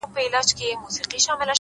وبېرېدم،